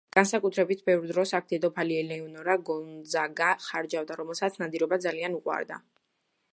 განსაკუთრებით ბევრ დროს აქ დედოფალი ელეონორა გონძაგა ხარჯავდა, რომელსაც ნადირობა ძალიან უყვარდა.